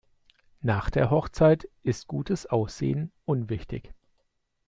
Nach der Hochzeit ist gutes Aussehen unwichtig.